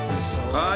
はい。